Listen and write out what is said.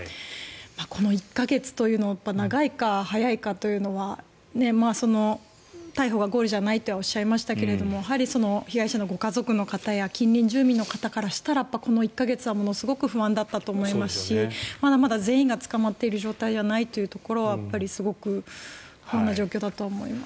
この１か月というのは長いか、早いかというのは逮捕がゴールじゃないというのはおっしゃいましたけどやはり被害者のご家族の方や近隣住民の方からしたらこの１か月は、ものすごく不安だったと思いますしまだまだ全員が捕まっている状態じゃないというところはすごく不安な状況だとは思います。